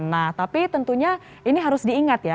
nah tapi tentunya ini harus diingat ya